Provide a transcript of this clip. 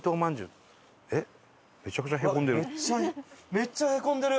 めっちゃへこんでる！